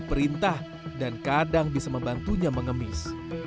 perintah dan kadang bisa membantunya mengemis